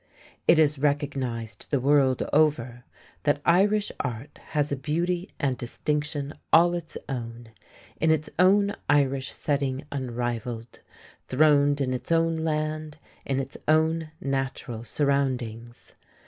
It is recognized the world over that Irish art has a beauty and distinction all its own, in its own Irish setting unrivalled, throned in its own land, in its own natural surroundings.